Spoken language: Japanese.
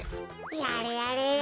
やれやれ